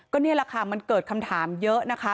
นี่แหละค่ะมันเกิดคำถามเยอะนะคะ